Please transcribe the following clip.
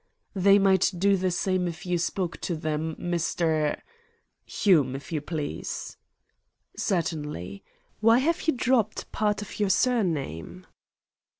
"They might do the same if you spoke to them, Mr. " "Hume, if you please." "Certainly. Why have you dropped part of your surname?"